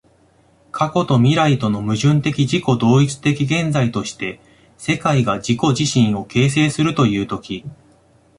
過去と未来との矛盾的自己同一的現在として、世界が自己自身を形成するという時